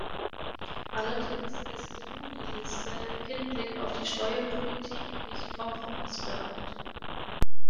Allerdings ist die Juniliste im Hinblick auf die Steuerpolitik nicht kompromissbereit.